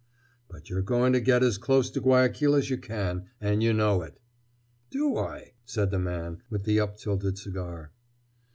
"But you're going to get as close to Guayaquil as you can, and you know it." "Do I?" said the man with the up tilted cigar.